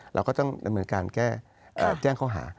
เราก็จ้องเหมือนกันแก้แจ้งเขาหา